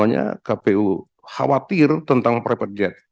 makanya kpu khawatir tentang private jet